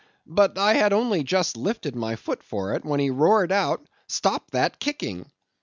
But I had only just lifted my foot for it, when he roared out, 'Stop that kicking!